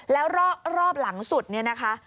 แล้วรอบหลังสุดเนี่ยนะคะ